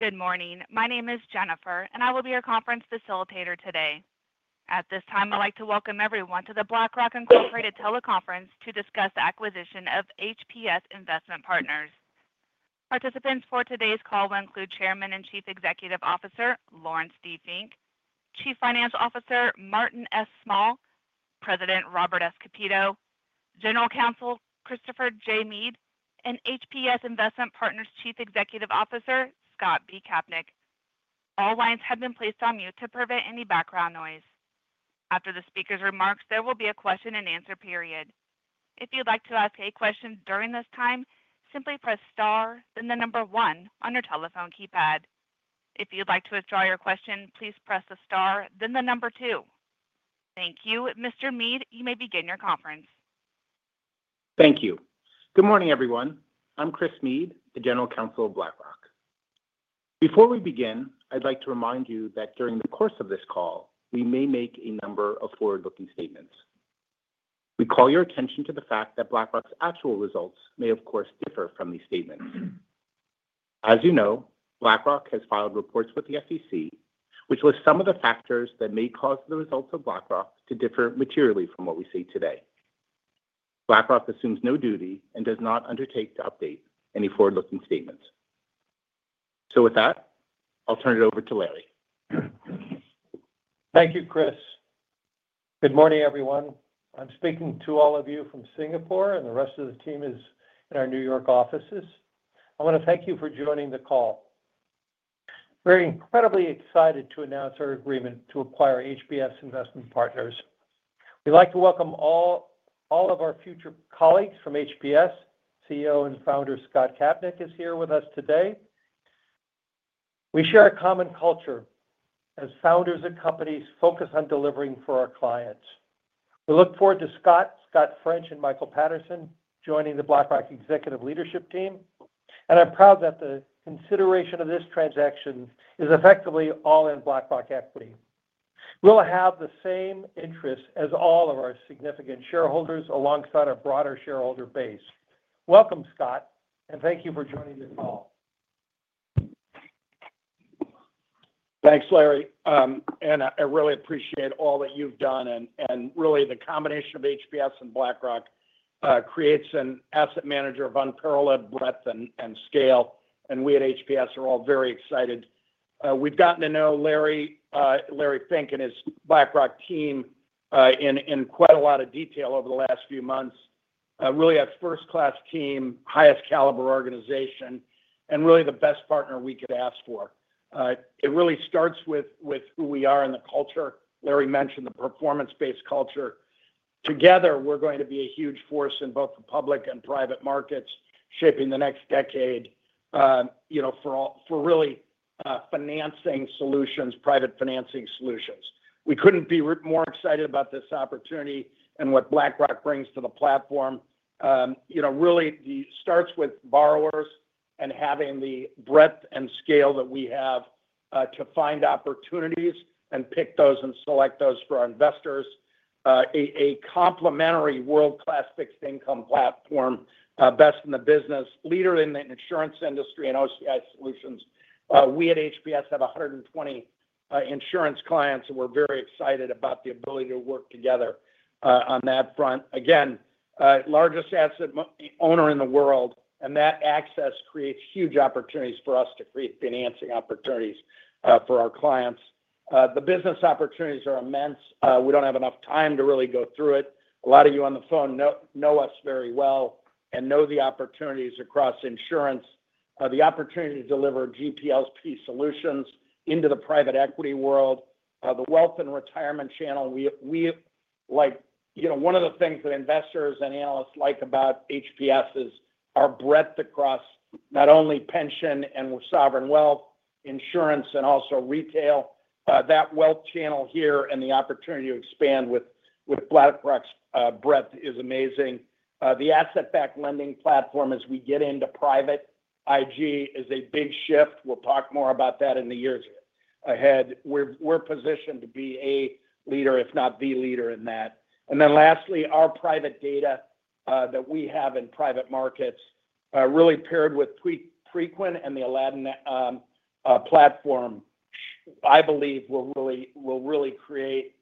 Good morning. My name is Jennifer, and I will be your conference facilitator today. At this time, I'd like to welcome everyone to the BlackRock Incorporated teleconference to discuss the acquisition of HPS Investment Partners. Participants for today's call will include Chairman and Chief Executive Officer Laurence D. Fink, Chief Financial Officer Martin S. Small, President Robert S. Kapito, General Counsel Christopher J. Meade, and HPS Investment Partners Chief Executive Officer Scott B. Kapnick. All lines have been placed on mute to prevent any background noise. After the speaker's remarks, there will be a question-and-answer period. If you'd like to ask a question during this time, simply press star, then the number one on your telephone keypad. If you'd like to withdraw your question, please press the star, then the number two. Thank you. Mr. Meade, you may begin your conference. Thank you. Good morning, everyone. I'm Chris Meade, the General Counsel of BlackRock. Before we begin, I'd like to remind you that during the course of this call, we may make a number of forward-looking statements. We call your attention to the fact that BlackRock's actual results may, of course, differ from these statements. As you know, BlackRock has filed reports with the SEC, which list some of the factors that may cause the results of BlackRock to differ materially from what we see today. BlackRock assumes no duty and does not undertake to update any forward-looking statements. So with that, I'll turn it over to Larry. Thank you, Chris. Good morning, everyone. I'm speaking to all of you from Singapore, and the rest of the team is in our New York offices. I want to thank you for joining the call. We're incredibly excited to announce our agreement to acquire HPS Investment Partners. We'd like to welcome all of our future colleagues from HPS. CEO and founder Scott Kapnick is here with us today. We share a common culture as founders of companies focus on delivering for our clients. We look forward to Scott, Scot French, and Michael Patterson joining the BlackRock Executive Leadership Team, and I'm proud that the consideration of this transaction is effectively all in BlackRock equity. We'll have the same interests as all of our significant shareholders alongside our broader shareholder base. Welcome, Scott, and thank you for joining this call. Thanks, Larry. And I really appreciate all that you've done. And really, the combination of HPS and BlackRock creates an asset manager of unparalleled breadth and scale. And we at HPS are all very excited. We've gotten to know Larry Fink and his BlackRock team in quite a lot of detail over the last few months. Really, a first-class team, highest-caliber organization, and really the best partner we could ask for. It really starts with who we are and the culture. Larry mentioned the performance-based culture. Together, we're going to be a huge force in both the public and private markets shaping the next decade for really financing solutions, private financing solutions. We couldn't be more excited about this opportunity and what BlackRock brings to the platform. Really, it starts with borrowers and having the breadth and scale that we have to find opportunities and pick those and select those for our investors. A complementary world-class fixed-income platform, best in the business, leader in the insurance industry and OCI solutions. We at HPS have 120 insurance clients, and we're very excited about the ability to work together on that front. Again, largest asset owner in the world, and that access creates huge opportunities for us to create financing opportunities for our clients. The business opportunities are immense. We don't have enough time to really go through it. A lot of you on the phone know us very well and know the opportunities across insurance. The opportunity to deliver GP/LP solutions into the private equity world, the wealth and retirement channel. One of the things that investors and analysts like about HPS is our breadth across not only pension and sovereign wealth, insurance, and also retail. That wealth channel here and the opportunity to expand with BlackRock's breadth is amazing. The asset-backed lending platform as we get into private IG is a big shift. We'll talk more about that in the years ahead. We're positioned to be a leader, if not the leader in that. And then lastly, our private data that we have in private markets, really paired with Preqin and the Aladdin platform, I believe will really create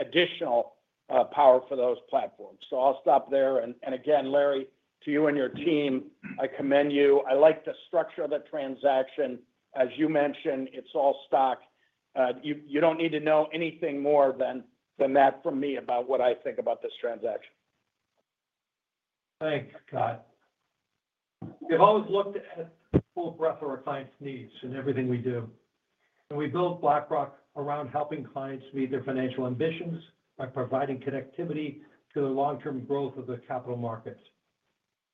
additional power for those platforms. So I'll stop there. And again, Larry, to you and your team, I commend you. I like the structure of the transaction. As you mentioned, it's all stock. You don't need to know anything more than that from me about what I think about this transaction. Thanks, Scott. We've always looked at the full breadth of our clients' needs in everything we do, and we build BlackRock around helping clients meet their financial ambitions by providing connectivity to the long-term growth of the capital markets.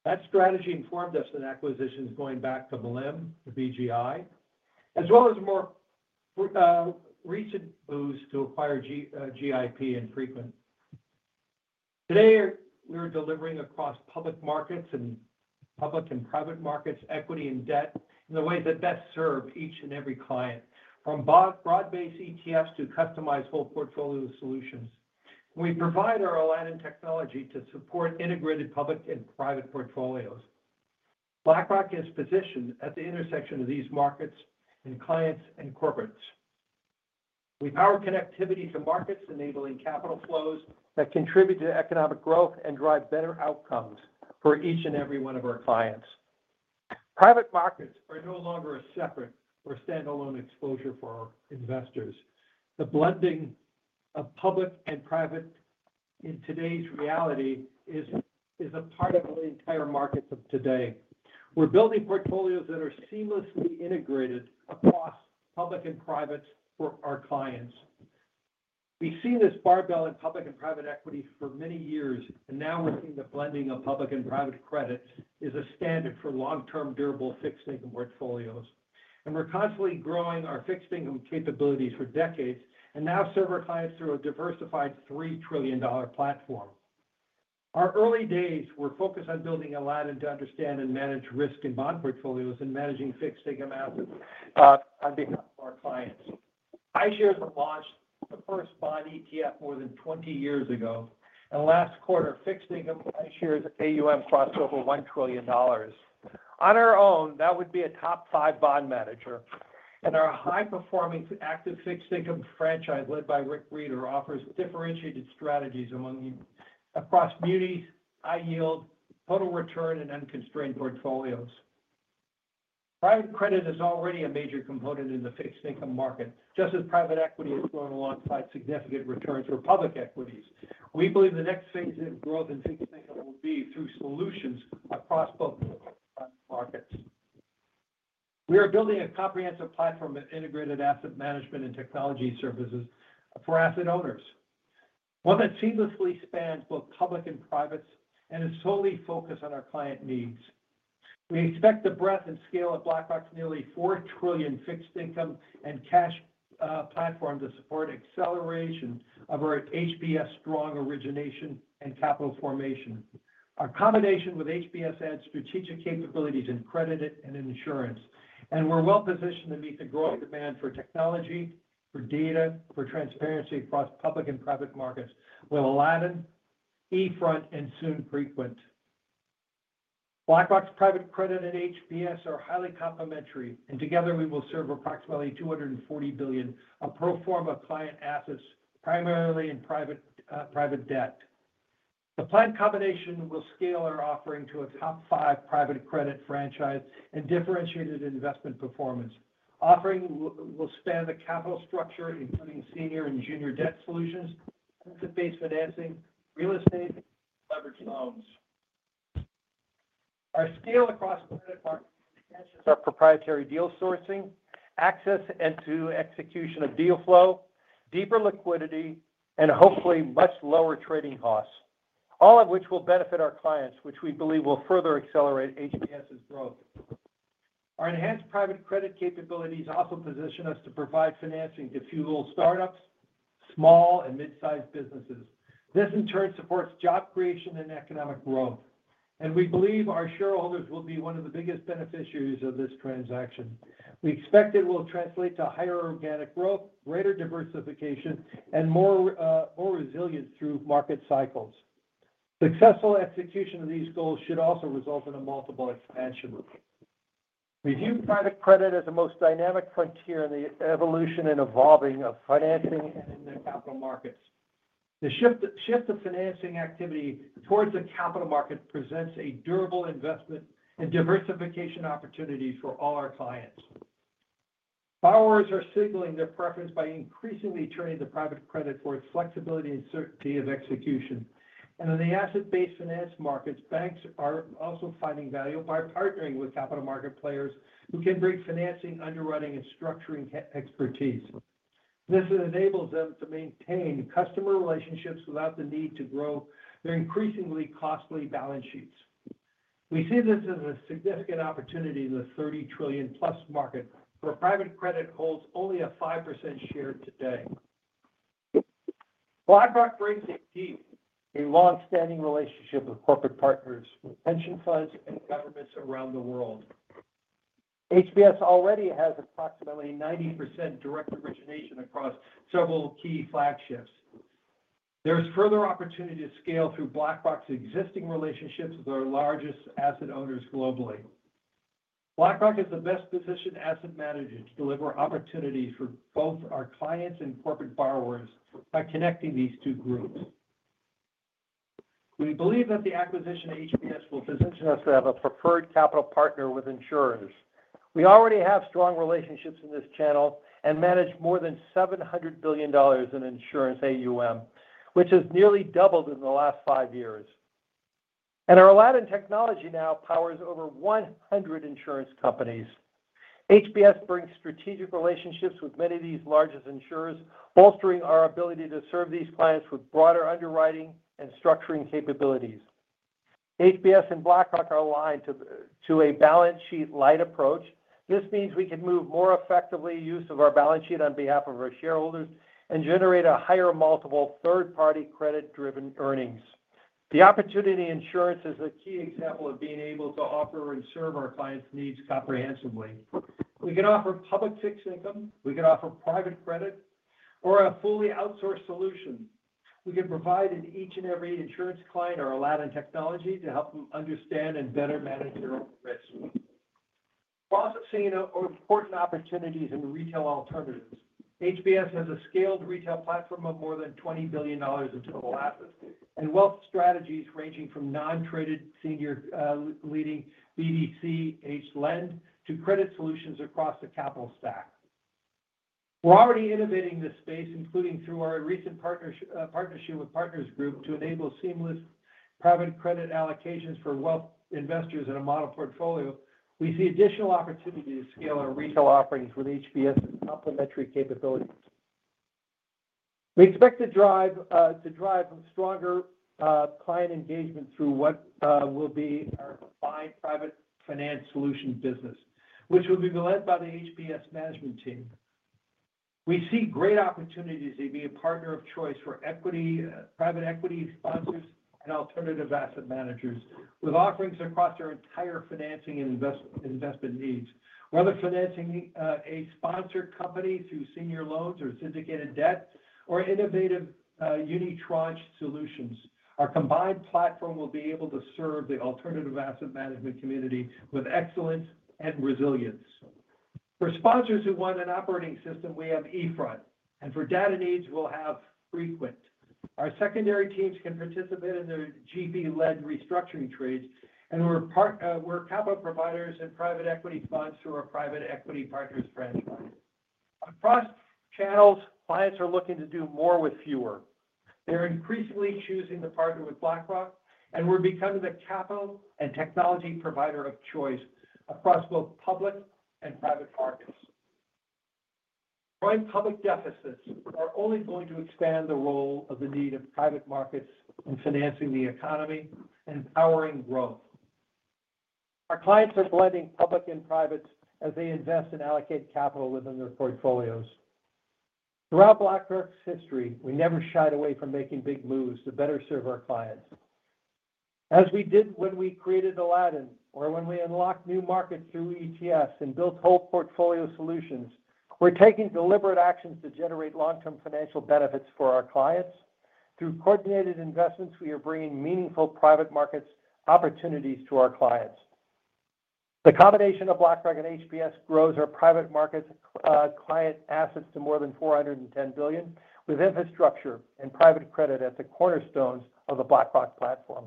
That strategy informed us in acquisitions going back to MLIM, the BGI, as well as more recent moves to acquire GIP and Preqin. Today, we're delivering across public markets and public and private markets, equity and debt, in the ways that best serve each and every client, from broad-based ETFs to customized whole portfolio solutions. We provide our Aladdin technology to support integrated public and private portfolios. BlackRock is positioned at the intersection of these markets and clients and corporates. We power connectivity to markets, enabling capital flows that contribute to economic growth and drive better outcomes for each and every one of our clients. Private markets are no longer a separate or standalone exposure for our investors. The blending of public and private in today's reality is a part of the entire markets of today. We're building portfolios that are seamlessly integrated across public and private for our clients. We've seen this barbell in public and private equity for many years, and now we're seeing the blending of public and private credit is a standard for long-term durable fixed-income portfolios and we're constantly growing our fixed-income capabilities for decades and now serve our clients through a diversified $3 trillion platform. Our early days, we're focused on building Aladdin to understand and manage risk in bond portfolios and managing fixed-income assets on behalf of our clients. iShares launched the first bond ETF more than 20 years ago, and last quarter, fixed-income iShares AUM crossed over $1 trillion. On our own, that would be a top five bond manager, and our high-performing active fixed-income franchise led by Rick Rieder offers differentiated strategies across munis, high yield, total return, and unconstrained portfolios. Private credit is already a major component in the fixed-income market, just as private equity has grown alongside significant returns for public equities. We believe the next phase of growth in fixed-income will be through solutions across both markets. We are building a comprehensive platform of integrated asset management and technology services for asset owners, one that seamlessly spans both public and private and is solely focused on our client needs. We expect the breadth and scale of BlackRock's nearly $4 trillion fixed-income and cash platform to support acceleration of our HPS strong origination and capital formation. Our combination with HPS adds strategic capabilities in credit and insurance. We're well positioned to meet the growing demand for technology, for data, for transparency across public and private markets with Aladdin, eFront, and soon Preqin. BlackRock's private credit and HPS are highly complementary, and together, we will serve approximately $240 billion of pro forma client assets, primarily in private debt. The planned combination will scale our offering to a top five private credit franchise and differentiated investment performance, offering will span the capital structure, including senior and junior debt solutions, asset-based financing, real estate, and leveraged loans. Our scale across private markets is essential for proprietary deal sourcing, access and to execution of deal flow, deeper liquidity, and hopefully much lower trading costs, all of which will benefit our clients, which we believe will further accelerate HPS's growth. Our enhanced private credit capabilities also position us to provide financing to fuel startups, small and mid-sized businesses. This, in turn, supports job creation and economic growth. And we believe our shareholders will be one of the biggest beneficiaries of this transaction. We expect it will translate to higher organic growth, greater diversification, and more resilience through market cycles. Successful execution of these goals should also result in a multiple expansion. We view private credit as the most dynamic frontier in the evolution and evolving of financing and in the capital markets. The shift of financing activity towards the capital market presents a durable investment and diversification opportunity for all our clients. Borrowers are signaling their preference by increasingly turning to private credit for its flexibility and certainty of execution. And in the asset-based finance markets, banks are also finding value by partnering with capital market players who can bring financing, underwriting, and structuring expertise. This enables them to maintain customer relationships without the need to grow their increasingly costly balance sheets. We see this as a significant opportunity in the $30 trillion+ market where private credit holds only a 5% share today. BlackRock brings a deep and long-standing relationship with corporate partners, pension funds, and governments around the world. HPS already has approximately 90% direct origination across several key flagships. There is further opportunity to scale through BlackRock's existing relationships with our largest asset owners globally. BlackRock is the best-positioned asset manager to deliver opportunities for both our clients and corporate borrowers by connecting these two groups. We believe that the acquisition of HPS will position us to have a preferred capital partner with insurers. We already have strong relationships in this channel and manage more than $700 billion in insurance AUM, which has nearly doubled in the last five years. And our Aladdin technology now powers over 100 insurance companies. HPS brings strategic relationships with many of these largest insurers, bolstering our ability to serve these clients with broader underwriting and structuring capabilities. HPS and BlackRock are aligned to a balance sheet light approach. This means we can move more effectively use of our balance sheet on behalf of our shareholders and generate a higher multiple third-party credit-driven earnings. The opportunity in insurance is a key example of being able to offer and serve our clients' needs comprehensively. We can offer public fixed income. We can offer private credit or a fully outsourced solution. We can provide each and every insurance client our Aladdin technology to help them understand and better manage their own risk. Processing important opportunities in retail alternatives. HPS has a scaled retail platform of more than $20 billion in total assets and wealth strategies ranging from non-traded senior lending BDC HLEND to credit solutions across the capital stack. We're already innovating this space, including through our recent partnership with Partners Group to enable seamless private credit allocations for wealth investors in a model portfolio. We see additional opportunity to scale our retail offerings with HPS's complementary capabilities. We expect to drive stronger client engagement through what will be our combined private finance solution business, which will be led by the HPS management team. We see great opportunities to be a partner of choice for equity, private equity sponsors, and alternative asset managers with offerings across our entire financing and investment needs. Whether financing a sponsored company through senior loans or syndicated debt or innovative unitranche solutions, our combined platform will be able to serve the alternative asset management community with excellence and resilience. For sponsors who want an operating system, we have eFront. And for data needs, we'll have Preqin. Our secondary teams can participate in the GP-led restructuring trades, and we're capital providers to private equity funds through our private equity partners franchise. Across channels, clients are looking to do more with fewer. They're increasingly choosing to partner with BlackRock, and we're becoming the capital and technology provider of choice across both public and private markets. Growing public deficits are only going to expand the role and the need of private markets in financing the economy and empowering growth. Our clients are blending public and private as they invest and allocate capital within their portfolios. Throughout BlackRock's history, we never shied away from making big moves to better serve our clients. As we did when we created Aladdin or when we unlocked new markets through ETFs and built whole portfolio solutions, we're taking deliberate actions to generate long-term financial benefits for our clients. Through coordinated investments, we are bringing meaningful private markets opportunities to our clients. The combination of BlackRock and HPS grows our private markets client assets to more than $410 billion with infrastructure and private credit at the cornerstones of the BlackRock platform.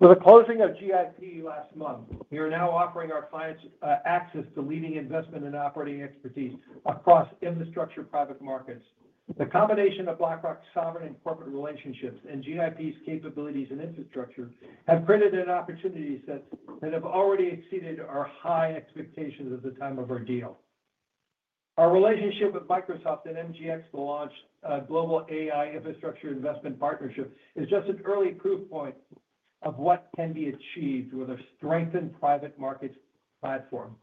With the closing of GIP last month, we are now offering our clients access to leading investment and operating expertise across infrastructure private markets. The combination of BlackRock's sovereign and corporate relationships and GIP's capabilities and infrastructure have created an opportunity set that have already exceeded our high expectations at the time of our deal. Our relationship with Microsoft and MGX to launch a global AI infrastructure investment partnership is just an early proof point of what can be achieved with a strengthened private markets platform,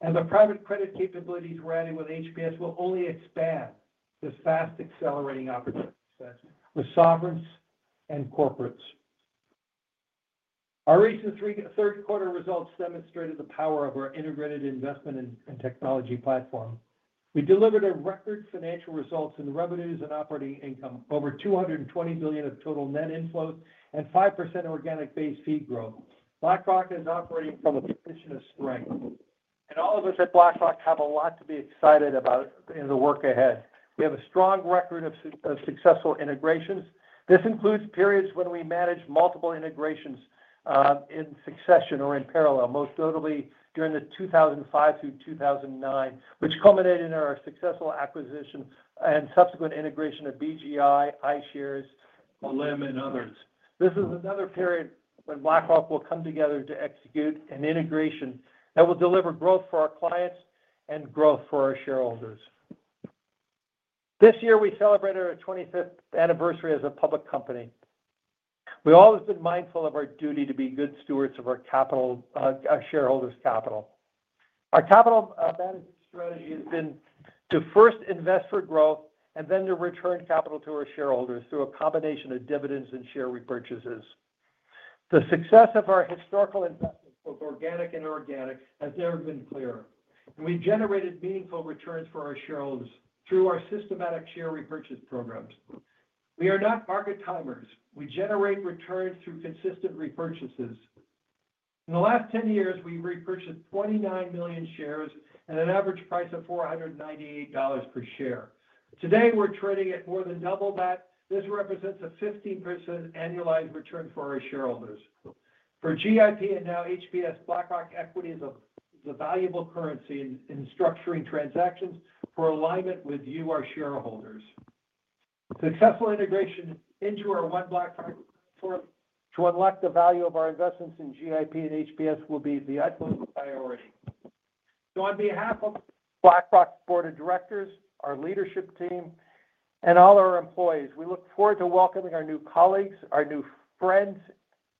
and the private credit capabilities we're adding with HPS will only expand this fast-accelerating opportunity set with sovereigns and corporates. Our recent third-quarter results demonstrated the power of our integrated investment and technology platform. We delivered a record financial result in revenues and operating income of over $220 billion of total net inflows and 5% organic base fee growth. BlackRock is operating from a position of strength, and all of us at BlackRock have a lot to be excited about in the work ahead. We have a strong record of successful integrations. This includes periods when we managed multiple integrations in succession or in parallel, most notably during the 2005 through 2009, which culminated in our successful acquisition and subsequent integration of BGI, iShares, Aladdin, and Others. This is another period when BlackRock will come together to execute an integration that will deliver growth for our clients and growth for our shareholders. This year, we celebrated our 25th anniversary as a public company. We've always been mindful of our duty to be good stewards of our shareholders' capital. Our capital management strategy has been to first invest for growth and then to return capital to our shareholders through a combination of dividends and share repurchases. The success of our historical investments, both organic and inorganic, has never been clearer, and we've generated meaningful returns for our shareholders through our systematic share repurchase programs. We are not market timers. We generate returns through consistent repurchases. In the last 10 years, we've repurchased 29 million shares at an average price of $498 per share. Today, we're trading at more than double that. This represents a 15% annualized return for our shareholders. For GIP and now HPS, BlackRock Equity is the valuable currency in structuring transactions for alignment with you, our shareholders. Successful integration into our one BlackRock platform to unlock the value of our investments in GIP and HPS will be the utmost priority. So on behalf of BlackRock's board of directors, our leadership team, and all our employees, we look forward to welcoming our new colleagues, our new friends,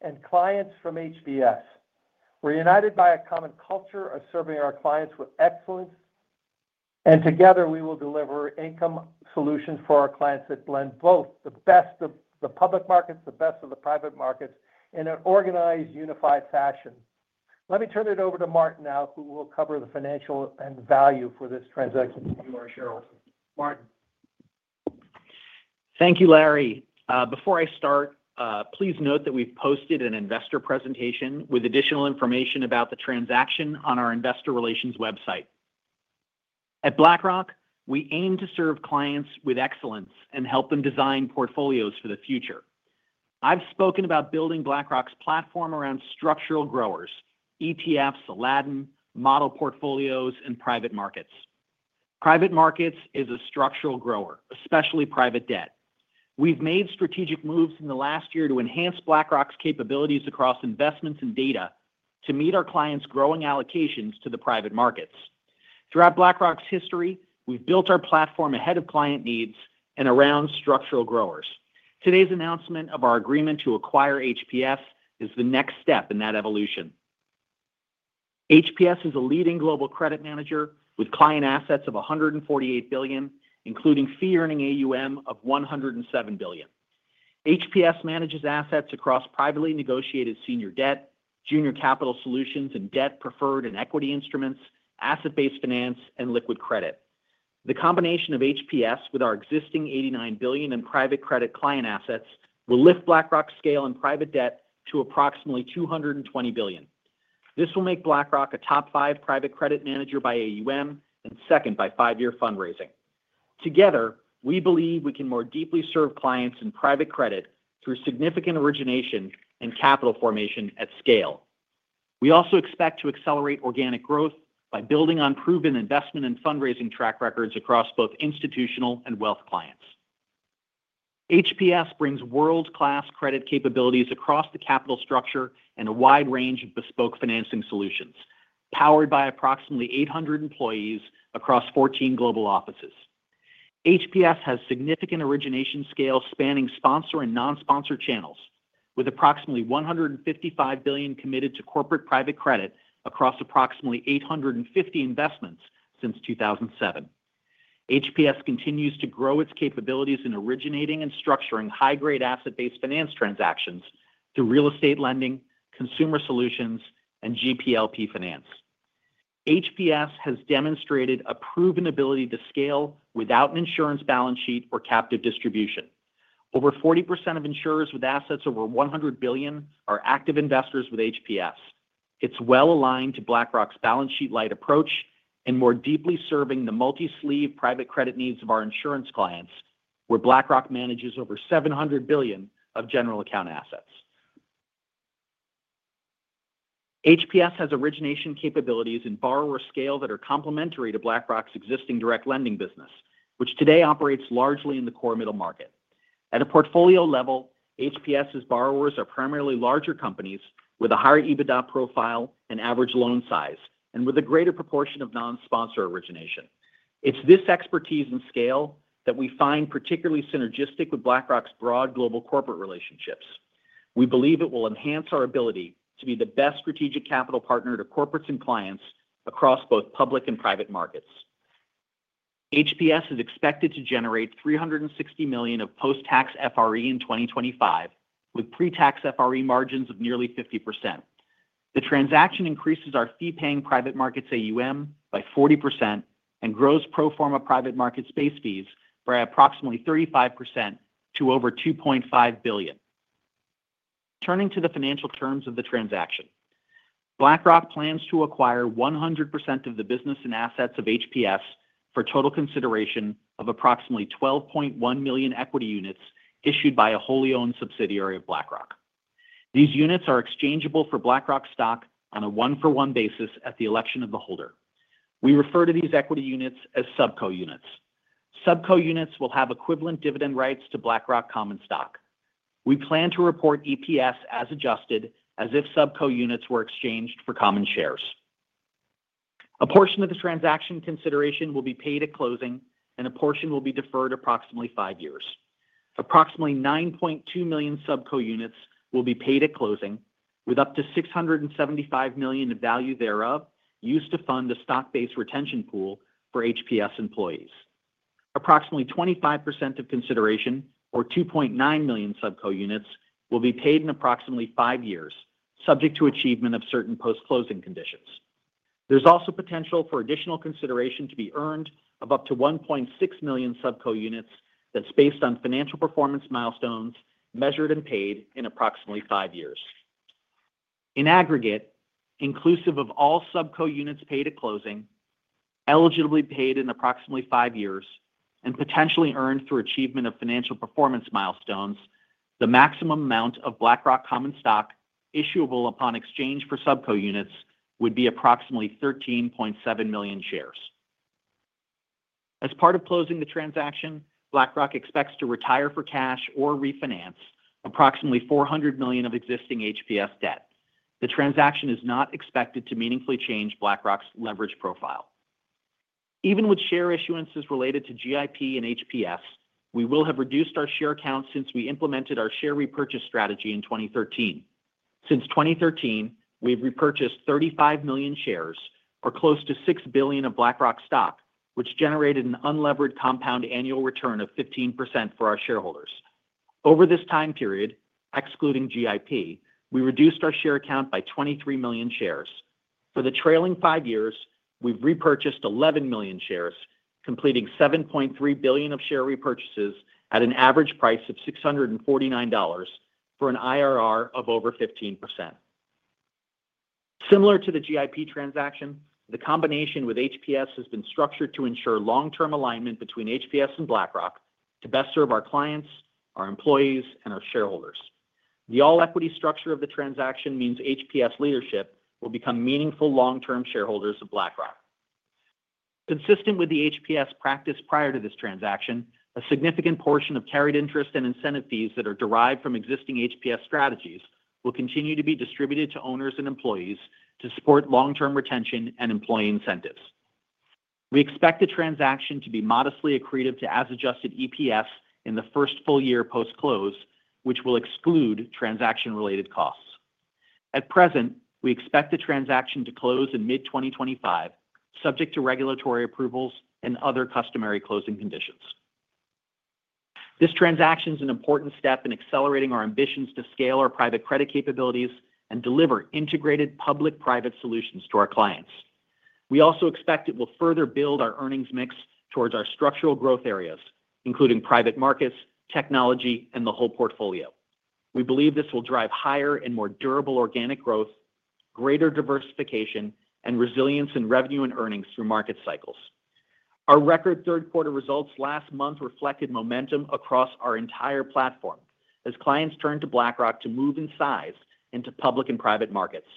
and clients from HPS. We're united by a common culture of serving our clients with excellence. And together, we will deliver income solutions for our clients that blend both the best of the public markets, the best of the private markets, in an organized, unified fashion. Let me turn it over to Martin now, who will cover the financial and value for this transaction to you, our shareholders. Martin. Thank you, Larry. Before I start, please note that we've posted an investor presentation with additional information about the transaction on our Investor Relations website. At BlackRock, we aim to serve clients with excellence and help them design portfolios for the future. I've spoken about building BlackRock's platform around structural growers: ETFs, Aladdin, model portfolios, and private markets. Private markets is a structural grower, especially private debt. We've made strategic moves in the last year to enhance BlackRock's capabilities across investments and data to meet our clients' growing allocations to the private markets. Throughout BlackRock's history, we've built our platform ahead of client needs and around structural growers. Today's announcement of our agreement to acquire HPS is the next step in that evolution. HPS is a leading global credit manager with client assets of $148 billion, including fee-earning AUM of $107 billion. HPS manages assets across privately negotiated senior debt, junior capital solutions, and debt preferred and equity instruments, asset-based finance, and liquid credit. The combination of HPS with our existing $89 billion in private credit client assets will lift BlackRock's scale in private debt to approximately $220 billion. This will make BlackRock a top five private credit manager by AUM and second by five-year fundraising. Together, we believe we can more deeply serve clients in private credit through significant origination and capital formation at scale. We also expect to accelerate organic growth by building on proven investment and fundraising track records across both institutional and wealth clients. HPS brings world-class credit capabilities across the capital structure and a wide range of bespoke financing solutions, powered by approximately 800 employees across 14 global offices. HPS has significant origination scale spanning sponsor and non-sponsor channels, with approximately $155 billion committed to corporate private credit across approximately 850 investments since 2007. HPS continues to grow its capabilities in originating and structuring high-grade asset-based finance transactions through real estate lending, consumer solutions, and GP/LP finance. HPS has demonstrated a proven ability to scale without an insurance balance sheet or captive distribution. Over 40% of insurers with assets over $100 billion are active investors with HPS. It's well aligned to BlackRock's balance sheet light approach and more deeply serving the multi-sleeve private credit needs of our insurance clients, where BlackRock manages over $700 billion of general account assets. HPS has origination capabilities and borrower scale that are complementary to BlackRock's existing direct lending business, which today operates largely in the core middle market. At a portfolio level, HPS's borrowers are primarily larger companies with a higher EBITDA profile and average loan size, and with a greater proportion of non-sponsor origination. It's this expertise and scale that we find particularly synergistic with BlackRock's broad global corporate relationships. We believe it will enhance our ability to be the best strategic capital partner to corporates and clients across both public and private markets. HPS is expected to generate $360 million of post-tax FRE in 2025, with pre-tax FRE margins of nearly 50%. The transaction increases our fee-paying private markets AUM by 40% and grows pro forma private market space fees by approximately 35% to over $2.5 billion. Turning to the financial terms of the transaction, BlackRock plans to acquire 100% of the business and assets of HPS for total consideration of approximately 12.1 million equity units issued by a wholly owned subsidiary of BlackRock. These units are exchangeable for BlackRock stock on a one-for-one basis at the election of the holder. We refer to these equity units as subco units. Subco units will have equivalent dividend rights to BlackRock common stock. We plan to report EPS as adjusted, as if subco units were exchanged for common shares. A portion of the transaction consideration will be paid at closing, and a portion will be deferred approximately five years. Approximately 9.2 million subco units will be paid at closing, with up to $675 million of value thereof used to fund a stock-based retention pool for HPS employees. Approximately 25% of consideration, or 2.9 million subco units, will be paid in approximately five years, subject to achievement of certain post-closing conditions. There's also potential for additional consideration to be earned of up to 1.6 million subco units that's based on financial performance milestones measured and paid in approximately five years. In aggregate, inclusive of all subco units paid at closing, eligibly paid in approximately five years, and potentially earned through achievement of financial performance milestones, the maximum amount of BlackRock common stock issuable upon exchange for subco units would be approximately 13.7 million shares. As part of closing the transaction, BlackRock expects to retire for cash or refinance approximately $400 million of existing HPS debt. The transaction is not expected to meaningfully change BlackRock's leverage profile. Even with share issuances related to GIP and HPS, we will have reduced our share count since we implemented our share repurchase strategy in 2013. Since 2013, we've repurchased 35 million shares or close to $6 billion of BlackRock stock, which generated an unlevered compound annual return of 15% for our shareholders. Over this time period, excluding GIP, we reduced our share count by 23 million shares. For the trailing five years, we've repurchased 11 million shares, completing $7.3 billion of share repurchases at an average price of $649 for an IRR of over 15%. Similar to the GIP transaction, the combination with HPS has been structured to ensure long-term alignment between HPS and BlackRock to best serve our clients, our employees, and our shareholders. The all-equity structure of the transaction means HPS leadership will become meaningful long-term shareholders of BlackRock. Consistent with the HPS practice prior to this transaction, a significant portion of carried interest and incentive fees that are derived from existing HPS strategies will continue to be distributed to owners and employees to support long-term retention and employee incentives. We expect the transaction to be modestly accretive to as-adjusted EPS in the first full year post-close, which will exclude transaction-related costs. At present, we expect the transaction to close in mid-2025, subject to regulatory approvals and other customary closing conditions. This transaction is an important step in accelerating our ambitions to scale our private credit capabilities and deliver integrated public-private solutions to our clients. We also expect it will further build our earnings mix towards our structural growth areas, including private markets, technology, and the whole portfolio. We believe this will drive higher and more durable organic growth, greater diversification, and resilience in revenue and earnings through market cycles. Our record third-quarter results last month reflected momentum across our entire platform as clients turned to BlackRock to move in size into public and private markets.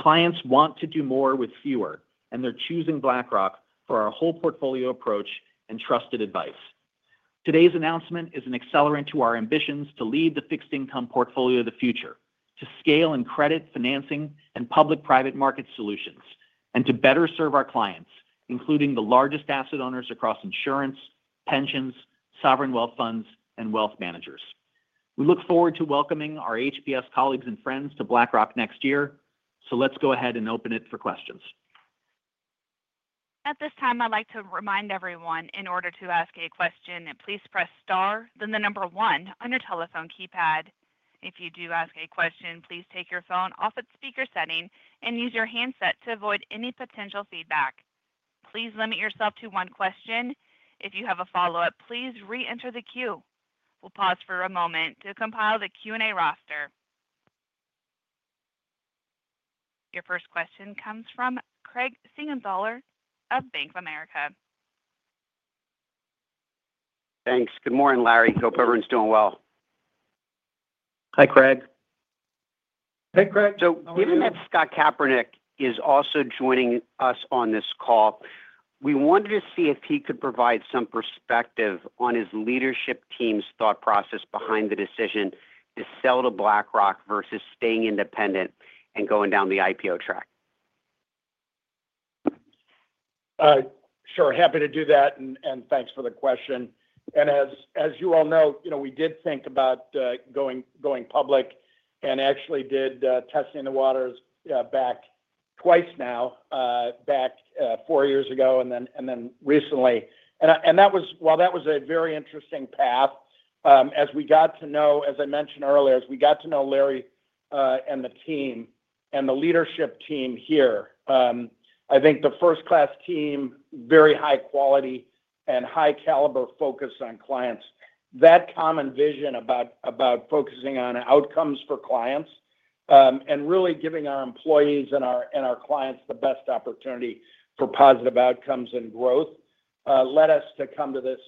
Clients want to do more with fewer, and they're choosing BlackRock for our whole portfolio approach and trusted advice. Today's announcement is an accelerant to our ambitions to lead the fixed income portfolio of the future, to scale in credit financing and public-private market solutions, and to better serve our clients, including the largest asset owners across insurance, pensions, sovereign wealth funds, and wealth managers. We look forward to welcoming our HPS colleagues and friends to BlackRock next year, so let's go ahead and open it for questions. At this time, I'd like to remind everyone, in order to ask a question, please press star, then the number one on your telephone keypad. If you do ask a question, please take your phone off its speaker setting and use your handset to avoid any potential feedback. Please limit yourself to one question. If you have a follow-up, please re-enter the queue. We'll pause for a moment to compile the Q&A roster. Your first question comes from Craig Siegenthaler of Bank of America. Thanks. Good morning, Larry. Hope everyone's doing well. Hi, Craig. Hey, Craig. So given that Scott Kapnick is also joining us on this call, we wanted to see if he could provide some perspective on his leadership team's thought process behind the decision to sell to BlackRock versus staying independent and going down the IPO track. Sure. Happy to do that, and thanks for the question. As you all know, we did think about going public and actually did testing the waters back twice now, back four years ago and then recently. While that was a very interesting path, as we got to know, as I mentioned earlier, as we got to know Larry and the team and the leadership team here, I think the first-class team, very high quality and high caliber focus on clients, that common vision about focusing on outcomes for clients and really giving our employees and our clients the best opportunity for positive outcomes and growth led us to come to this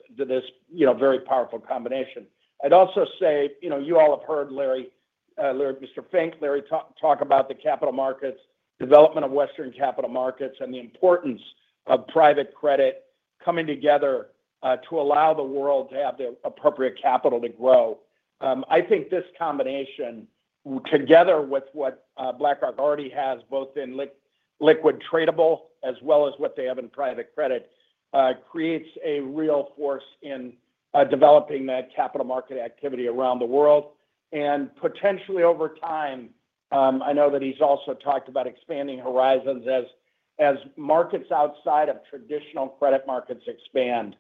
very powerful combination. I'd also say you all have heard Mr. Fink, Larry, talk about the capital markets, development of western capital markets, and the importance of private credit coming together to allow the world to have the appropriate capital to grow. I think this combination, together with what BlackRock already has, both in liquid tradable as well as what they have in private credit, creates a real force in developing that capital market activity around the world. And potentially over time, I know that he's also talked about expanding horizons as markets outside of traditional credit markets expand.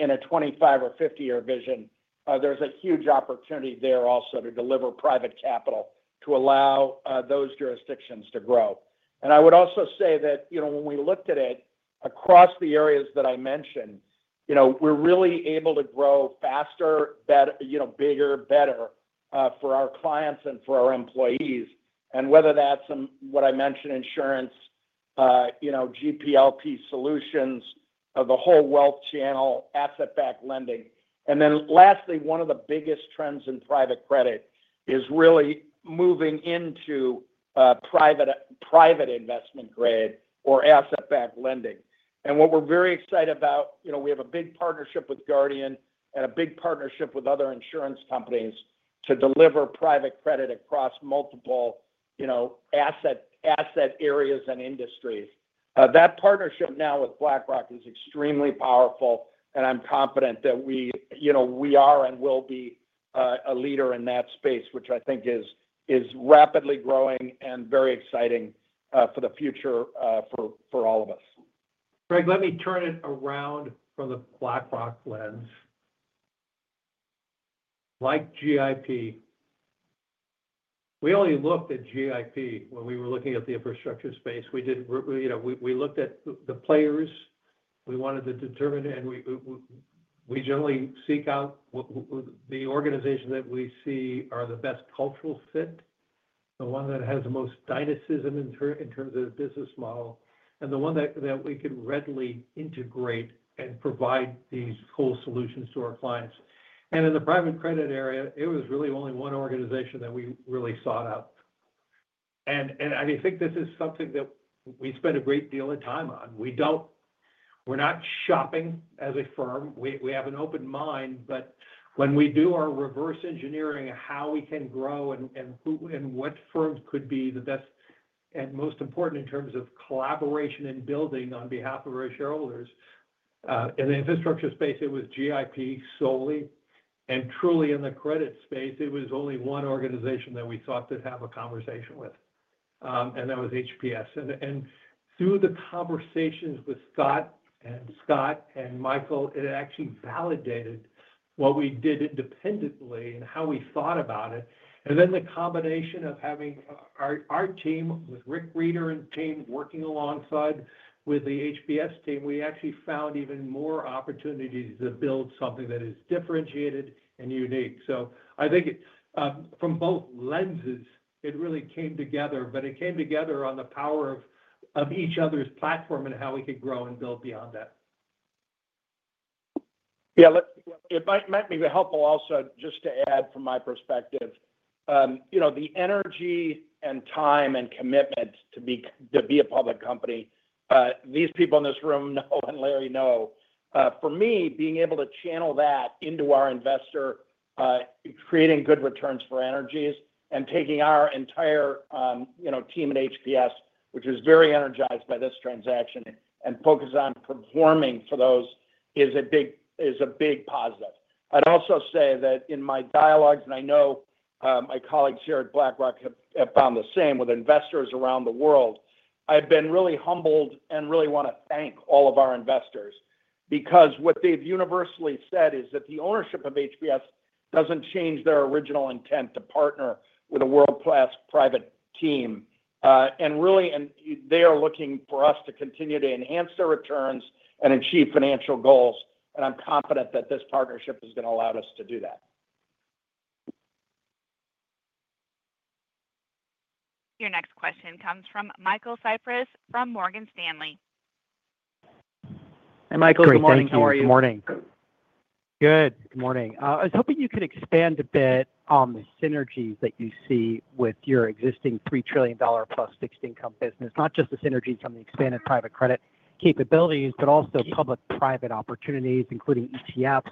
In a 25- or 50-year vision, there's a huge opportunity there also to deliver private capital to allow those jurisdictions to grow. And I would also say that when we looked at it across the areas that I mentioned, we're really able to grow faster, bigger, better for our clients and for our employees. And whether that's what I mentioned, insurance, GP/LP solutions, the whole wealth channel, asset-backed lending. And then lastly, one of the biggest trends in private credit is really moving into private investment grade or asset-backed lending. And what we're very excited about, we have a big partnership with Guardian and a big partnership with other insurance companies to deliver private credit across multiple asset areas and industries. That partnership now with BlackRock is extremely powerful, and I'm confident that we are and will be a leader in that space, which I think is rapidly growing and very exciting for the future for all of us. Craig, let me turn it around from the BlackRock lens. Like GIP, we only looked at GIP when we were looking at the infrastructure space. We looked at the players we wanted to determine, and we generally seek out the organization that we see are the best cultural fit, the one that has the most dynamism in terms of business model, and the one that we could readily integrate and provide these full solutions to our clients. And in the private credit area, it was really only one organization that we really sought out. And I think this is something that we spent a great deal of time on. We're not shopping as a firm. We have an open mind, but when we do our reverse engineering of how we can grow and what firms could be the best and most important in terms of collaboration and building on behalf of our shareholders in the infrastructure space, it was GIP solely. And truly, in the credit space, it was only one organization that we thought to have a conversation with, and that was HPS. And through the conversations with Scott and Michael and Michael, it actually validated what we did independently and how we thought about it. Then the combination of having our team with Rick Rieder and team working alongside with the HPS team, we actually found even more opportunities to build something that is differentiated and unique. So I think from both lenses, it really came together, but it came together on the power of each other's platform and how we could grow and build beyond that. Yeah. It might be helpful also just to add from my perspective, the energy and time and commitment to be a public company. These people in this room know and Larry knows. For me, being able to channel that into our investors, creating good returns for investors and taking our entire team at HPS, which was very energized by this transaction and focused on performing for those, is a big positive. I'd also say that in my dialogues, and I know my colleagues here at BlackRock have found the same with investors around the world, I've been really humbled and really want to thank all of our investors because what they've universally said is that the ownership of HPS doesn't change their original intent to partner with a world-class private team, and really, they are looking for us to continue to enhance their returns and achieve financial goals, and I'm confident that this partnership is going to allow us to do that. Your next question comes from Michael Cyprys from Morgan Stanley. Hey, Michael. Good morning. How are you? Good morning. Good. Good morning. I was hoping you could expand a bit on the synergies that you see with your existing $3 trillion+ fixed income business, not just the synergies on the expanded private credit capabilities, but also public-private opportunities, including ETFs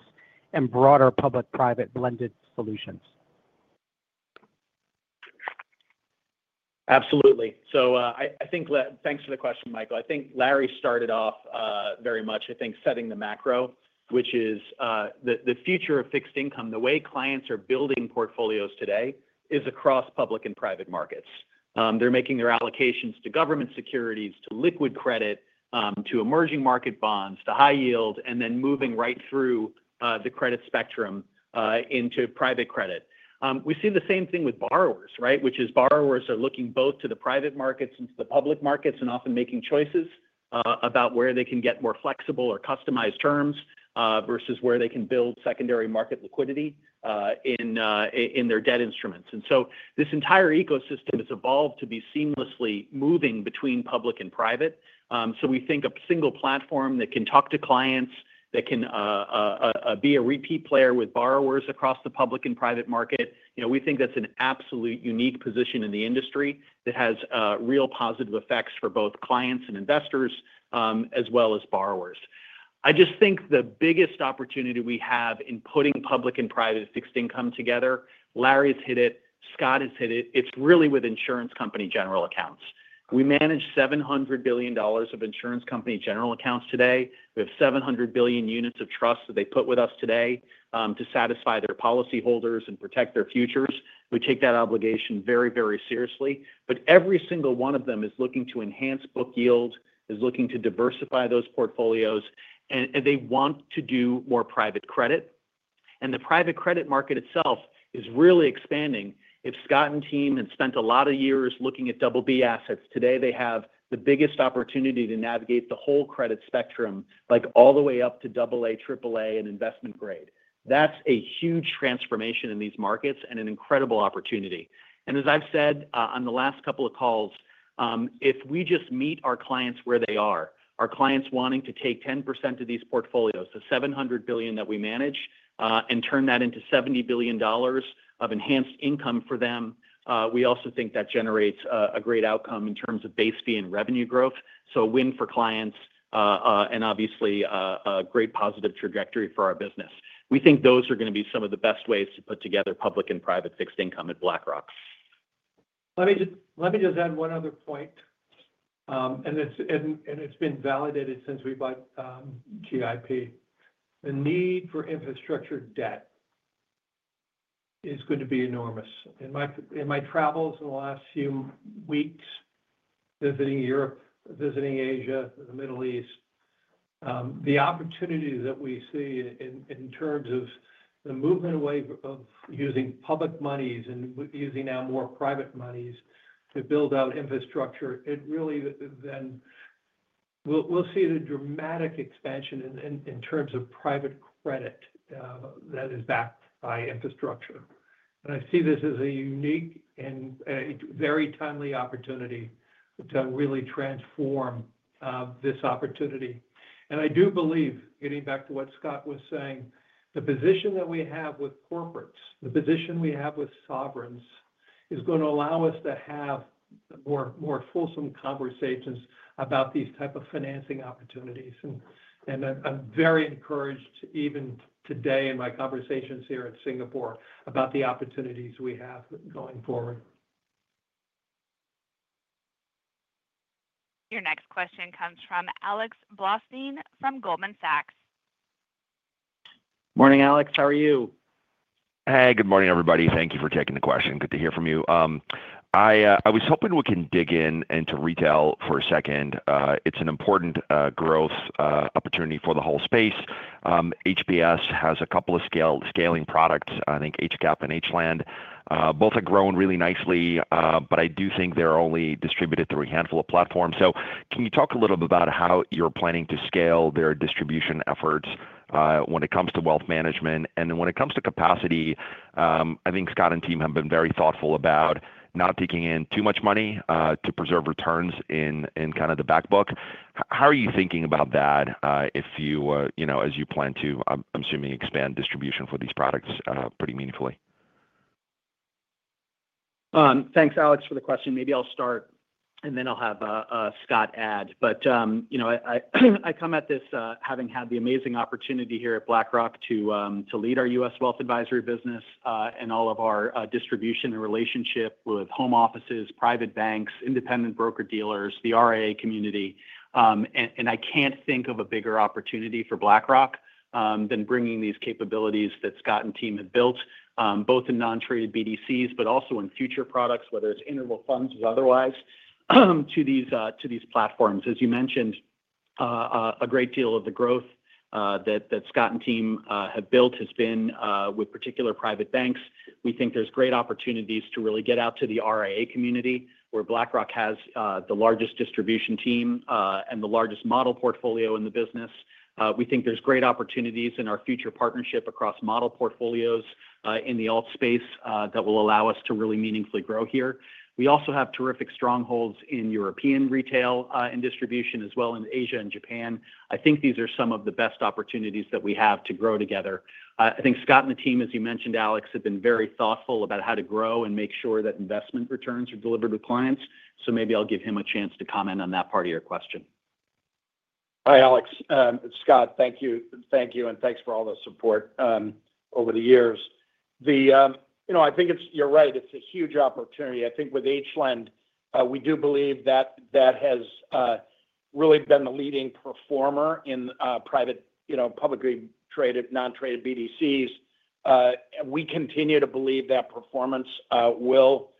and broader public-private blended solutions. Absolutely. So thanks for the question, Michael. I think Larry started off very much, I think, setting the macro, which is the future of fixed income. The way clients are building portfolios today is across public and private markets. They're making their allocations to government securities, to liquid credit, to emerging market bonds, to high yield, and then moving right through the credit spectrum into private credit. We see the same thing with borrowers, right, which is borrowers are looking both to the private markets and to the public markets and often making choices about where they can get more flexible or customized terms versus where they can build secondary market liquidity in their debt instruments, and so this entire ecosystem has evolved to be seamlessly moving between public and private, so we think a single platform that can talk to clients, that can be a repeat player with borrowers across the public and private market, we think that's an absolute unique position in the industry that has real positive effects for both clients and investors as well as borrowers. I just think the biggest opportunity we have in putting public and private fixed income together, Larry's hit it, Scott has hit it, it's really with insurance company general accounts. We manage $700 billion of insurance company general accounts today. We have 700 billion units of trust that they put with us today to satisfy their policyholders and protect their futures. We take that obligation very, very seriously. But every single one of them is looking to enhance book yield, is looking to diversify those portfolios, and they want to do more private credit. And the private credit market itself is really expanding. If Scott and team had spent a lot of years looking at BB assets, today they have the biggest opportunity to navigate the whole credit spectrum, like all the way up to AA, AAA, and investment grade. That's a huge transformation in these markets and an incredible opportunity. As I've said on the last couple of calls, if we just meet our clients where they are, our clients wanting to take 10% of these portfolios, the $700 billion that we manage, and turn that into $70 billion of enhanced income for them, we also think that generates a great outcome in terms of base fee and revenue growth. So a win for clients and obviously a great positive trajectory for our business. We think those are going to be some of the best ways to put together public and private fixed income at BlackRock. Let me just add one other point. It's been validated since we bought GIP. The need for infrastructure debt is going to be enormous. In my travels in the last few weeks, visiting Europe, visiting Asia, the Middle East, the opportunity that we see in terms of the movement away of using public monies and using now more private monies to build out infrastructure, it really then we'll see the dramatic expansion in terms of private credit that is backed by infrastructure. And I see this as a unique and very timely opportunity to really transform this opportunity. And I do believe, getting back to what Scott was saying, the position that we have with corporates, the position we have with sovereigns is going to allow us to have more fulsome conversations about these types of financing opportunities. And I'm very encouraged even today in my conversations here at Singapore about the opportunities we have going forward. Your next question comes from Alex Blostein from Goldman Sachs. Morning, Alex. How are you? Hey, good morning, everybody. Thank you for taking the question. Good to hear from you. I was hoping we can dig into retail for a second. It's an important growth opportunity for the whole space. HPS has a couple of scaling products, I think HCAP and HLEND. Both have grown really nicely, but I do think they're only distributed through a handful of platforms. So can you talk a little bit about how you're planning to scale their distribution efforts when it comes to wealth management? And then when it comes to capacity, I think Scott and team have been very thoughtful about not taking in too much money to preserve returns in kind of the backbook. How are you thinking about that as you plan to, I'm assuming, expand distribution for these products pretty meaningfully? Thanks, Alex, for the question. Maybe I'll start, and then I'll have Scott add. But I come at this having had the amazing opportunity here at BlackRock to lead our U.S. wealth advisory business and all of our distribution and relationship with home offices, private banks, independent broker dealers, the RIA community. And I can't think of a bigger opportunity for BlackRock than bringing these capabilities that Scott and team have built, both in non-traded BDCs, but also in future products, whether it's interval funds or otherwise, to these platforms. As you mentioned, a great deal of the growth that Scott and team have built has been with particular private banks. We think there's great opportunities to really get out to the RIA community where BlackRock has the largest distribution team and the largest model portfolio in the business. We think there's great opportunities in our future partnership across model portfolios in the alt space that will allow us to really meaningfully grow here. We also have terrific strongholds in European retail and distribution, as well, in Asia and Japan. I think these are some of the best opportunities that we have to grow together. I think Scott and the team, as you mentioned, Alex, have been very thoughtful about how to grow and make sure that investment returns are delivered to clients. So maybe I'll give him a chance to comment on that part of your question. Hi, Alex. It's Scott, thank you. Thank you. And thanks for all the support over the years. I think you're right. It's a huge opportunity. I think with HLEND, we do believe that that has really been the leading performer in publicly traded, non-traded BDCs. We continue to believe that performance will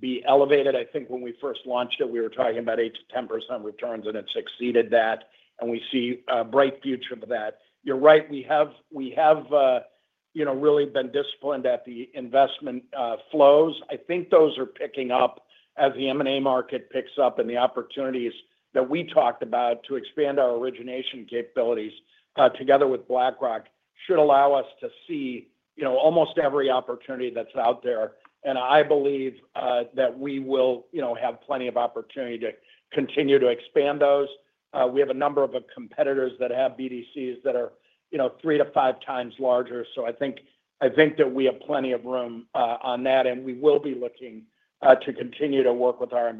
be elevated. I think when we first launched it, we were talking about 8%-10% returns, and it's exceeded that, and we see a bright future for that. You're right. We have really been disciplined at the investment flows. I think those are picking up as the M&A market picks up and the opportunities that we talked about to expand our origination capabilities together with BlackRock should allow us to see almost every opportunity that's out there, and I believe that we will have plenty of opportunity to continue to expand those. We have a number of competitors that have BDCs that are three to five times larger. So I think that we have plenty of room on that, and we will be looking to continue to work with our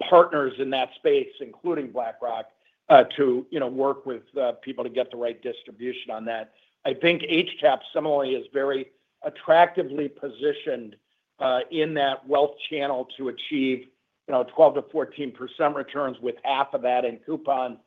partners in that space, including BlackRock, to work with people to get the right distribution on that. I think HCAP similarly is very attractively positioned in that wealth channel to achieve 12%-14% returns with half of that in coupon.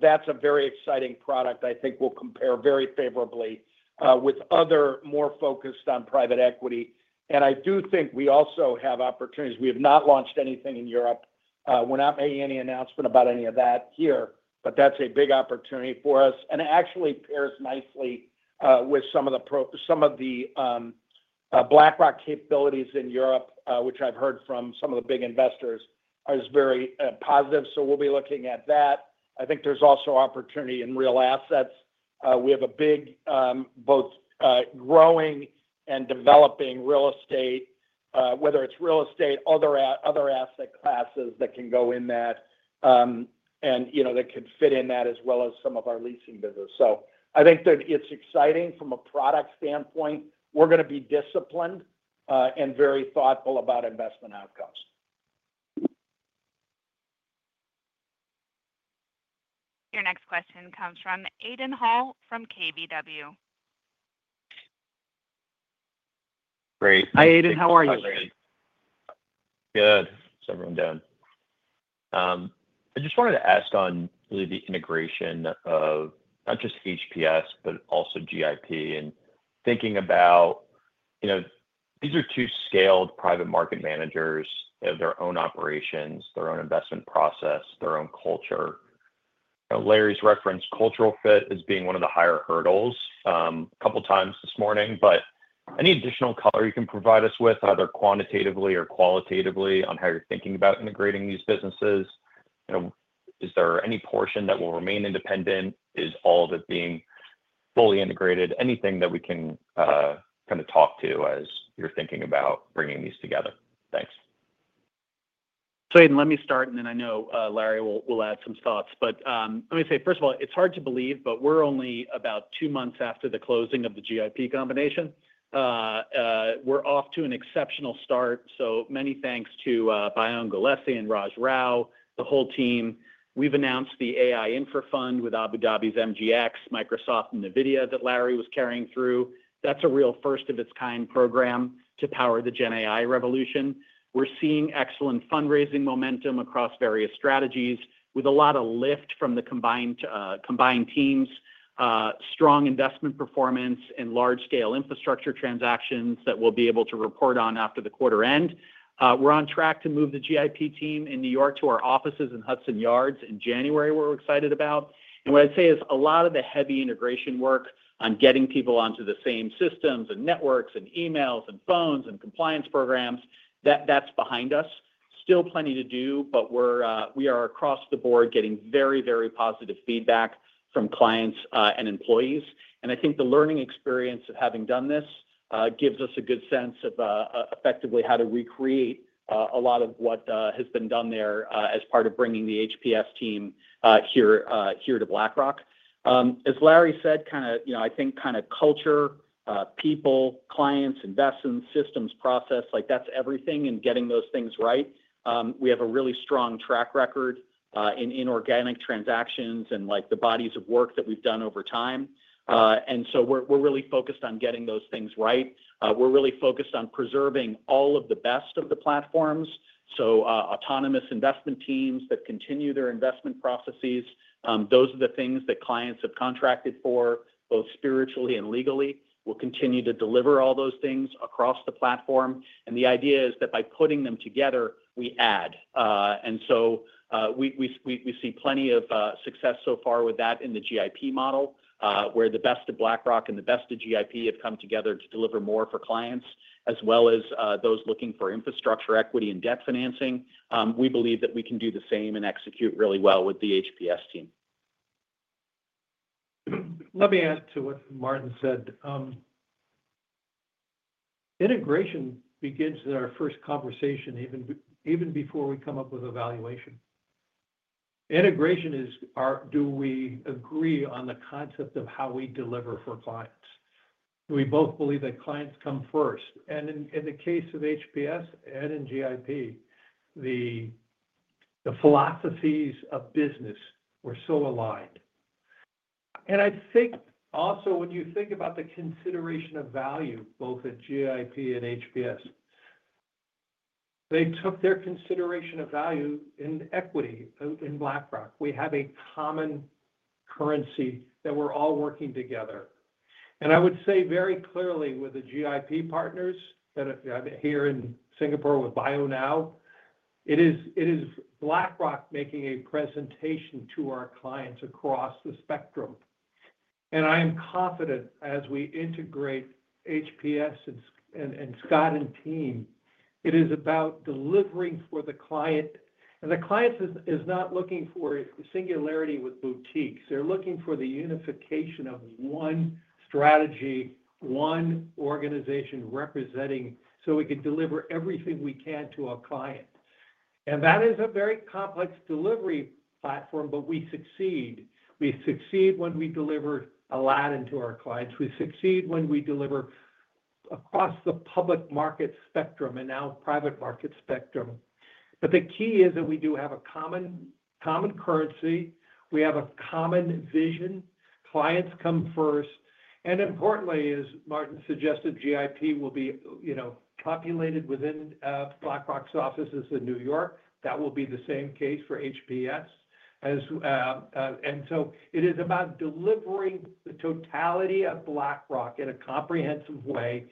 That's a very exciting product. I think we'll compare very favorably with other more focused on private equity. I do think we also have opportunities. We have not launched anything in Europe. We're not making any announcement about any of that here, but that's a big opportunity for us and actually pairs nicely with some of the BlackRock capabilities in Europe, which I've heard from some of the big investors is very positive. We'll be looking at that. I think there's also opportunity in real assets. We have a big both growing and developing real estate, whether it's real estate, other asset classes that can go in that and that could fit in that as well as some of our leasing business. So I think that it's exciting from a product standpoint. We're going to be disciplined and very thoughtful about investment outcomes. Your next question comes from Aidan Hall from KBW. Great. Hi, Aidan. How are you, Aidan? Good. Several down. I just wanted to ask on really the integration of not just HPS, but also GIP and thinking about these are two scaled private market managers, their own operations, their own investment process, their own culture. Larry's referenced cultural fit as being one of the higher hurdles a couple of times this morning, but any additional color you can provide us with, either quantitatively or qualitatively on how you're thinking about integrating these businesses? Is there any portion that will remain independent? Is all of it being fully integrated? Anything that we can kind of talk to as you're thinking about bringing these together? Thanks. Aidan, let me start, and then I know Larry will add some thoughts. But let me say, first of all, it's hard to believe, but we're only about two months after the closing of the GIP combination. We're off to an exceptional start. Many thanks to Bayo Ogunlesi and Raj Rao, the whole team. We've announced the AI Infra Fund with Abu Dhabi's MGX, Microsoft, and NVIDIA that Larry was carrying through. That's a real first-of-its-kind program to power the GenAI revolution. We're seeing excellent fundraising momentum across various strategies with a lot of lift from the combined teams, strong investment performance, and large-scale infrastructure transactions that we'll be able to report on after the quarter end. We're on track to move the GIP team in New York to our offices in Hudson Yards in January, which we're excited about. What I'd say is a lot of the heavy integration work on getting people onto the same systems and networks and emails and phones and compliance programs, that's behind us. Still plenty to do, but we are across the board getting very, very positive feedback from clients and employees. I think the learning experience of having done this gives us a good sense of effectively how to recreate a lot of what has been done there as part of bringing the HPS team here to BlackRock. As Larry said, kind of I think kind of culture, people, clients, investment systems, process, like that's everything in getting those things right. We have a really strong track record inorganic transactions and the bodies of work that we've done over time. We're really focused on getting those things right. We're really focused on preserving all of the best of the platforms, so autonomous investment teams that continue their investment processes, those are the things that clients have contracted for both spiritually and legally. We'll continue to deliver all those things across the platform, and the idea is that by putting them together, we add, and so we see plenty of success so far with that in the GIP model where the best of BlackRock and the best of GIP have come together to deliver more for clients as well as those looking for infrastructure equity and debt financing. We believe that we can do the same and execute really well with the HPS team. Let me add to what Martin said. Integration begins in our first conversation, even before we come up with valuation. Integration is, do we agree on the concept of how we deliver for clients? We both believe that clients come first, and in the case of HPS and in GIP, the philosophies of business were so aligned, and I think also when you think about the consideration of value, both at GIP and HPS, they took their consideration of value in equity in BlackRock. We have a common currency that we're all working together, and I would say very clearly with the GIP partners here in Singapore with Bayo now, it is BlackRock making a presentation to our clients across the spectrum. And I am confident as we integrate HPS and Scott and team, it is about delivering for the client. And the client is not looking for singularity with boutiques. They're looking for the unification of one strategy, one organization representing so we can deliver everything we can to our clients, and that is a very complex delivery platform, but we succeed. We succeed when we deliver a lot into our clients. We succeed when we deliver across the public market spectrum and now private market spectrum. But the key is that we do have a common currency. We have a common vision. Clients come first. And importantly, as Martin suggested, GIP will be populated within BlackRock's offices in New York. That will be the same case for HPS. And so it is about delivering the totality of BlackRock in a comprehensive way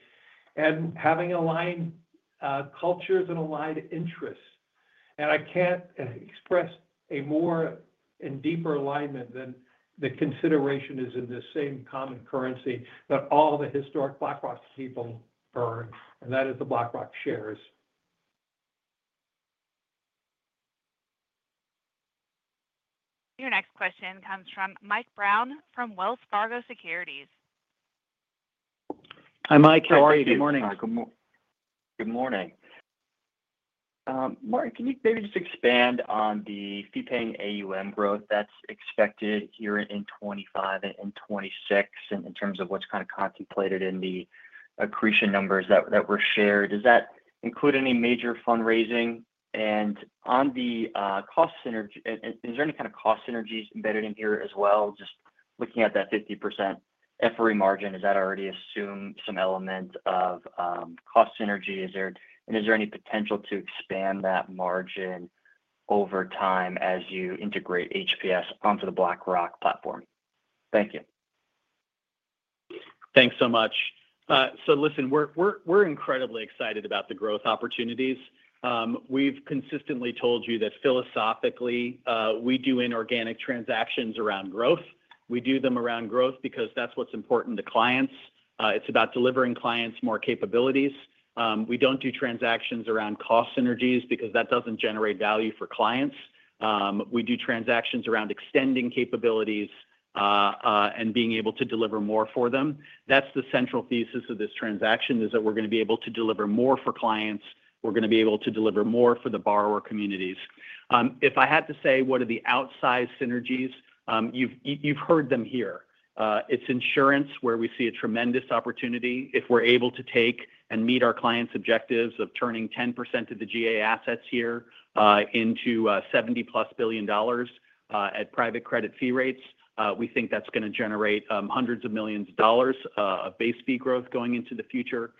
and having aligned cultures and aligned interests. And I can't express a more and deeper alignment than the consideration is in this same common currency that all the historic BlackRock people earn, and that is the BlackRock shares. Your next question comes from Mike Brown from Wells Fargo Securities. Hi, Mike. How are you? Good morning. Good morning. Mark, can you maybe just expand on the fee-paying AUM growth that's expected here in 2025 and 2026 in terms of what's kind of contemplated in the accretion numbers that were shared? Does that include any major fundraising? And on the cost synergy, is there any kind of cost synergies embedded in here as well? Just looking at that 50% FRE margin, does that already assume some element of cost synergy? And is there any potential to expand that margin over time as you integrate HPS onto the BlackRock platform? Thank you. Thanks so much. So listen, we're incredibly excited about the growth opportunities. We've consistently told you that philosophically, we do inorganic transactions around growth. We do them around growth because that's what's important to clients. It's about delivering clients more capabilities. We don't do transactions around cost synergies because that doesn't generate value for clients. We do transactions around extending capabilities and being able to deliver more for them. That's the central thesis of this transaction, that we're going to be able to deliver more for clients. We're going to be able to deliver more for the borrower communities. If I had to say, what are the outsized synergies? You've heard them here. It's insurance where we see a tremendous opportunity if we're able to take and meet our clients' objectives of turning 10% of the GA assets here into $70+ billion at private credit fee rates. We think that's going to generate hundreds of millions of dollars of base fee growth going into the future.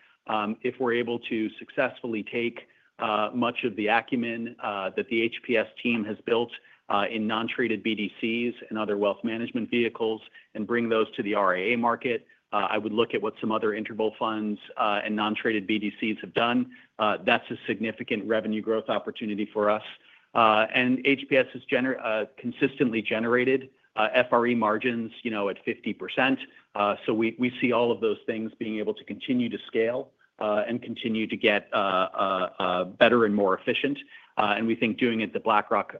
If we're able to successfully take much of the acumen that the HPS team has built in non-traded BDCs and other wealth management vehicles and bring those to the RIA market, I would look at what some other interval funds and non-traded BDCs have done. That's a significant revenue growth opportunity for us, and HPS has consistently generated FRE margins at 50%, so we see all of those things being able to continue to scale and continue to get better and more efficient, and we think doing it at the BlackRock,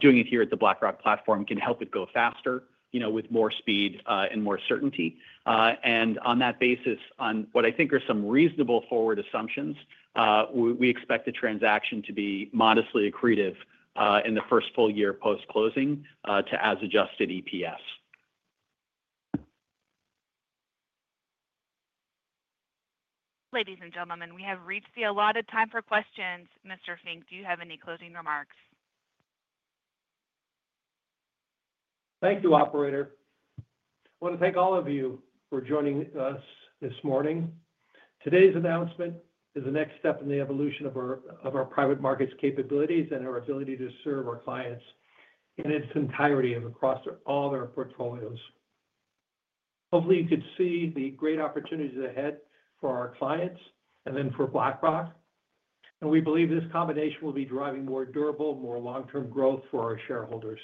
doing it here at the BlackRock platform can help it go faster with more speed and more certainty, and on that basis, on what I think are some reasonable forward assumptions, we expect the transaction to be modestly accretive in the first full year post-closing to as-adjusted EPS. Ladies and gentlemen, we have reached the allotted time for questions. Mr. Fink, do you have any closing remarks? Thank you, Operator. I want to thank all of you for joining us this morning. Today's announcement is the next step in the evolution of our private markets capabilities and our ability to serve our clients in its entirety across all their portfolios. Hopefully, you could see the great opportunities ahead for our clients and then for BlackRock. And we believe this combination will be driving more durable, more long-term growth for our shareholders.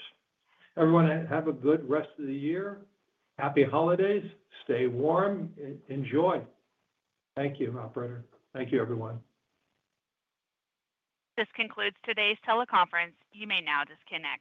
Everyone, have a good rest of the year. Happy holidays. Stay warm. Enjoy. Thank you, Operator. Thank you, everyone. This concludes today's teleconference. You may now disconnect.